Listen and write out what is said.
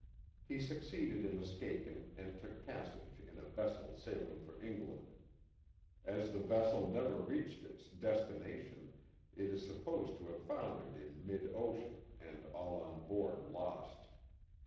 He succeeded in escaping and took passage in a vessel sailing for England. As the vessel never reached its destination, it is supposed to have foundered in mid ocean and all on board lost.